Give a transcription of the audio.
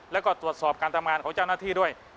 แล้วก็ตรวจสอบการทำงานของเจ้าหน้าที่ด้วย